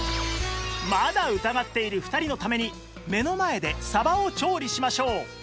まだ疑っている２人のために目の前でサバを調理しましょう